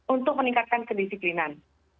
untuk meningkatkan kedisiplinan